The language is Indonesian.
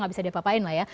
gak bisa diapapain lah ya